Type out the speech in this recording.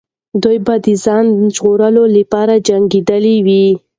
دوی به د ځان ژغورلو لپاره جنګېدلې وو.